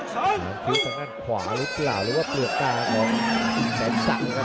หาคิ้วทางด้านขวาหรือเปล่าหรือว่าเปลือกตาของแสนศักดิ์ครับ